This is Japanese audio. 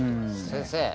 先生。